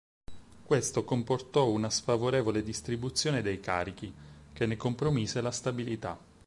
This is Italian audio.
Questo comportò una sfavorevole distribuzione dei carichi, che ne compromise la stabilità.